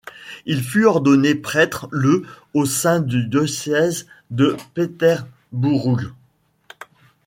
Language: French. Il fut ordonné prêtre le au sein du diocèse de Peterborough.